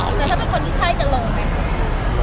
แต่ถ้าเป็นคนที่ใช่จะลงไหม